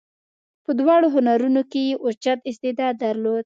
په دواړو هنرونو کې یې اوچت استعداد درلود.